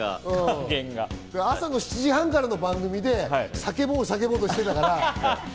朝７時半からの番組で叫ぼう叫ぼうとしてたから。